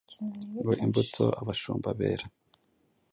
ngo imbuto abashumba bera